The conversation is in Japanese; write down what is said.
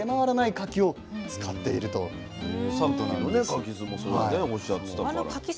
柿酢もそういうふうにねおっしゃってたから。